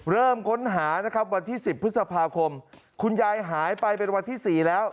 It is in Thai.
เริ่มค้นหานะครับวันที่๑๐พฤษภาคมคุณยายหายไปเป็นวันที่๔แล้ว